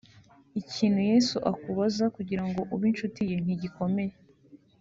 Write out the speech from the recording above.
Ikintu Yesu akubaza kugira ngo ube inshuti ye ntigikomeye